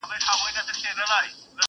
څوك به نيسي د ديدن د ګودر لاري.!